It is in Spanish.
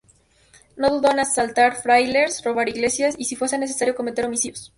No dudó en asaltar frailes, robar iglesias y si fuese necesario cometer homicidios.